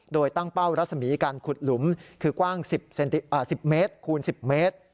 โดยตั้งเป้ารัศมีการขุดหลุมคือกว้าง๑๐เมตรคูณ๑๐เมตร